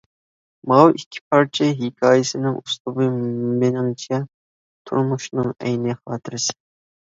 ماۋۇ ئىككى پارچە ھېكايىسىنىڭ ئۇسلۇبى مېنىڭچە تۇرمۇشنىڭ ئەينى خاتىرىسى.